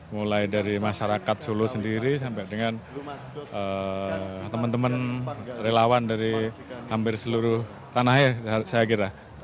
mulai dari masyarakat solo sendiri sampai dengan teman teman relawan dari hampir seluruh tanah air saya kira